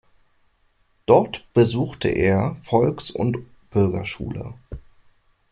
Dort besuchte er Volks- und Bürgerschule.